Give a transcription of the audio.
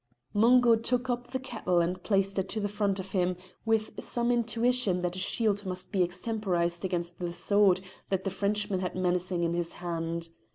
Mungo took up the kettle and placed it to the front of him, with some intuition that a shield must be extemporised against the sword that the Frenchman had menacing in his hand.